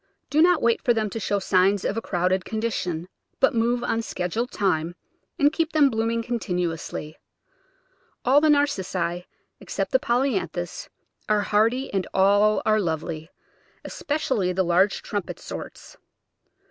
Do not wait for them to show signs of a crowded condition, but move on schedule time, and keep them blooming con tinuously. All the Narcissi, except the Polyanthus, are hardy, and all are lovely — especially the large trumpet sorts.